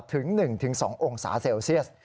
ถึง๑๒องศาเซลเซียส